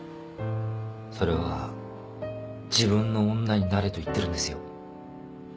それは自分の女になれと言ってるんですよ。